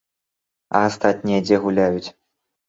А астатнія дзе гуляюць?